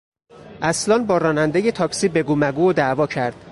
اصلان با رانندهی تاکسی بگومگو و دعوا کرد.